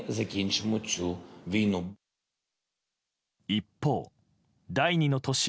一方、第２の都市